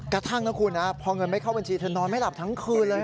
กระทั่งนะคุณนะพอเงินไม่เข้าบัญชีเธอนอนไม่หลับทั้งคืนเลย